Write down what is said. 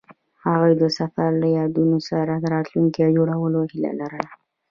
هغوی د سفر له یادونو سره راتلونکی جوړولو هیله لرله.